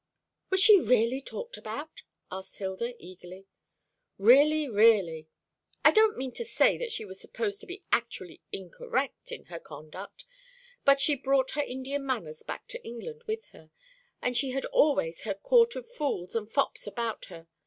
"Was she really talked about?" asked Hilda eagerly. "Really, really. I don't mean to say that she was supposed to be actually incorrect in her conduct; but she brought her Indian manners back to England with her, and she had always her court of fools and fops about her.